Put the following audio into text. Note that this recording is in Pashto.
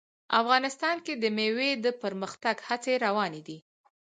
افغانستان کې د مېوې د پرمختګ هڅې روانې دي.